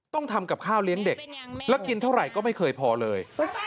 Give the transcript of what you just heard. ทำกับข้าวเลี้ยงเด็กแล้วกินเท่าไหร่ก็ไม่เคยพอเลย